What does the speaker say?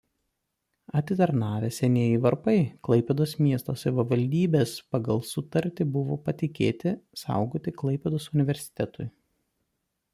Atitarnavę senieji varpai Klaipėdos miesto savivaldybės pagal sutartį buvo patikėti saugoti Klaipėdos universitetui.